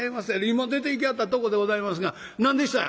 今出ていきはったとこでございますが何でした？」。